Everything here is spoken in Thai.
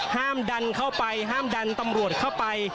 ห้ามดันเข้าไปห้ามดันตำรวจเข้าไป